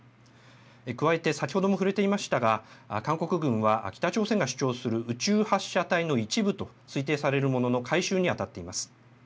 加えて、先ほども触れていましたが、韓国軍は、北朝鮮が主張する宇宙発射体の一部と推定されるものの回収に当たっています。